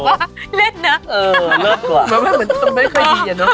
เหมือนกับไม่ใกล้ดีอ่ะเนอะ